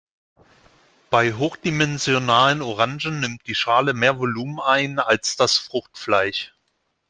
Bei hochdimensionalen Orangen nimmt die Schale mehr Volumen ein als das Fruchtfleisch.